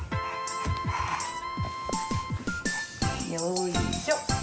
よいしょ。